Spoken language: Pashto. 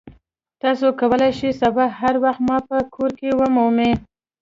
تاسو کولی شئ سبا هر وخت ما په کور کې ومومئ